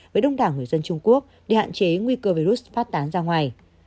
với đông đảo người dân trung quốc để hạn chế nguy cơ virus phát tán ra ngoài